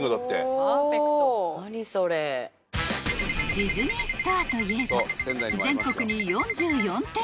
［ディズニーストアといえば全国に］